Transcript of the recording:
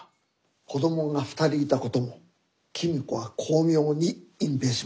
子どもが２人いたことも公子は巧妙に隠蔽しました。